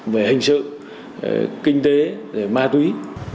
về hình sự kinh tế ma túy